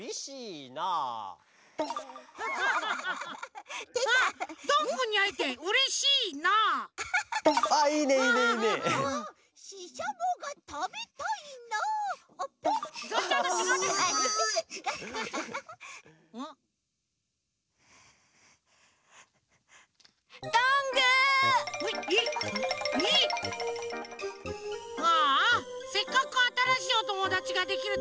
ああせっかくあたらしいおともだちができるとおもったのにな。